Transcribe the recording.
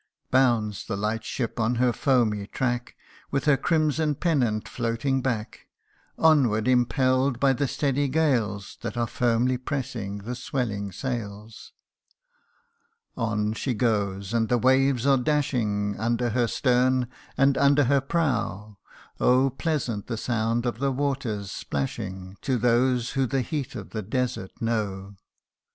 Bounds the light ship on her foamy track, With her crimson pennant floating back : Onward impell'd by the steady gales, That are firmly pressing the swelling sails. On she goes, and the waves are dashing Under her stern, and under her prow ; Oh ! pleasant the sound of the waters splashing To those who the heat of the desert know.